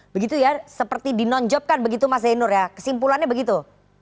begitu ya seperti dinonjobkan begitu mas zainur ya kesimpulannya begitu